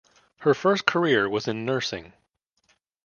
Her first career was in nursing.